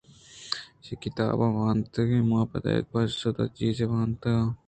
چہ کِتاباں وانتگ من او پَدا چہ پِیسبُک ءَ ھم چیزے وانتگ ءُ۔